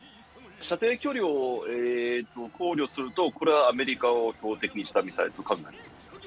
射程距離を考慮すると、これはアメリカを標的にしたミサイルと考えます。